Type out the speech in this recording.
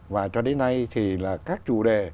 và cho đến nay thì là các chủ đề